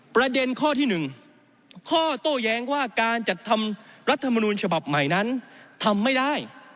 ประเด็นข้อที่๑ข้อโต้แย้งว่าการจัดทำรัฐมนูลฉบับใหม่นั้นทำไม่ได้